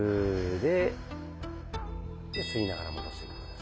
で吸いながら戻して。